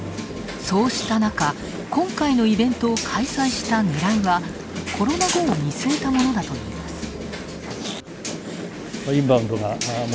そうした中、今回のイベントを開催したねらいはコロナ後を見据えたものだといいます。